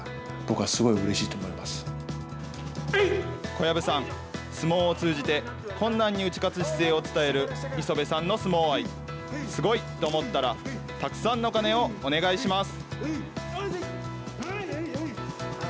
小籔さん、相撲を通じて、困難に打ち勝つ姿勢を伝える磯部さんの相撲愛、すごいと思ったら、たくさんの鐘をお願いします。